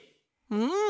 うん！